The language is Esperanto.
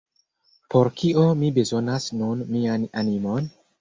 Por kio mi bezonas nun mian animon?